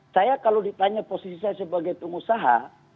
saya kalau ditanya posisi saya sebagai pengusaha